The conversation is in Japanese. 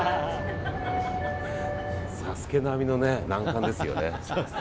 「ＳＡＳＵＫＥ」並みの難関ですよね。